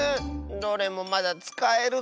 どれもまだつかえるぞ。